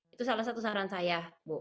itu salah satu saran saya